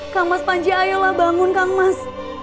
kang mas panji ayolah bangun kang mas